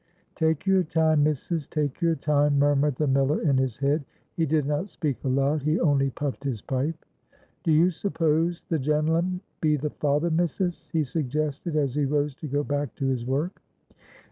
"Take your time, missus, take your time!" murmured the miller in his head. He did not speak aloud, he only puffed his pipe. "Do you suppose the genle'm be the father, missus?" he suggested, as he rose to go back to his work.